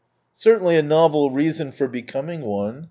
" Certainly a novel reason for becoming one